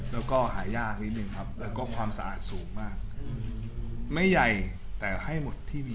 แล้วก็หายากนิดนึงครับแล้วก็ความสะอาดสูงมากไม่ใหญ่แต่ให้หมดที่มี